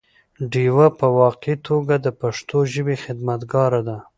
ډيوه په واقعي توګه د پښتو ژبې خدمتګاره ده